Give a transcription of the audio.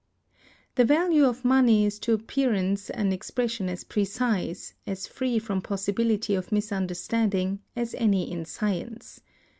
The Value of Money is to appearance an expression as precise, as free from possibility of misunderstanding, as any in science.